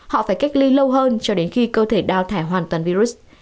họ phải cách ly lâu hơn cho đến khi cơ thể đào thải hoàn toàn virus